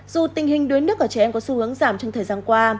dù tình hình đuối nước ở trẻ em có xu hướng giảm trong thời gian qua